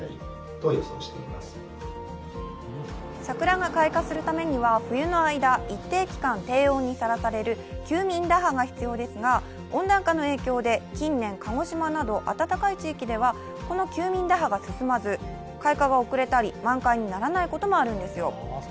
桜が開花するためには冬の間、一定期間低温にさらされる休眠打破が必要ですが、温暖化の影響で近年、鹿児島など暖かい地域ではこの休眠打破が進まず、開花が遅れたり、満開にならないこともあるんですよ。